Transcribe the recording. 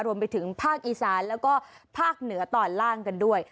รวมไปถึงภาคอีสานแล้วก็ภาคเหนือตอนล่างกันด้วย